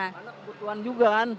karena kebutuhan juga kan